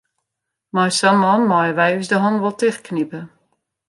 Mei sa'n man meie wy ús de hannen wol tichtknipe.